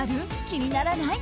気にならない？